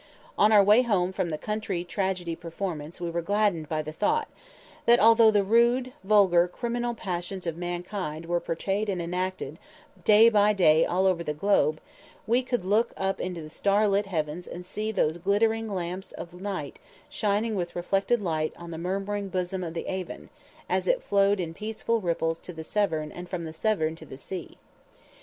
On our way home from the country tragedy performance we were gladdened by the thought, that although the rude, vulgar, criminal passions of mankind were portrayed and enacted day by day all over the globe, we could look up into the star lit heavens and see those glittering lamps of night shining with reflected light on the murmuring bosom of the Avon, as it flowed in peaceful ripples to the Severn and from the Severn to the sea.